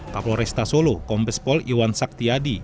pak floresta solo kombespol iwan saktiadi